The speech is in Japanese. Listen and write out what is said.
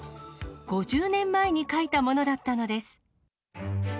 ５０年前に書いたものだったのです。